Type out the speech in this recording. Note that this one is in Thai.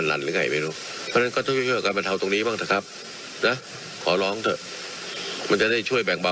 และพอที่๕ครับ